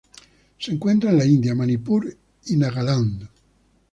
Se encuentra en la India: Manipur y Nagaland.